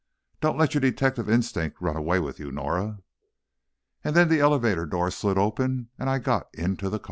Don't let your detective instinct run away with you Norah!" And then the elevator door slid open and I got into the car.